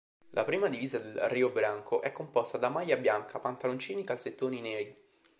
La prima divisa del Rio Branco è composta da maglia bianca, pantaloncini calzettoni neri.